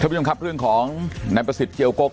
ผู้ชมครับเรื่องของนายประสิทธิเจียวกก